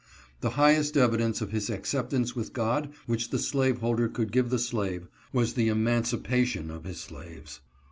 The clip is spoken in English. The highest evidence of his acceptance with God which the slaveholder could give the slave, was the emancipation of his slaves.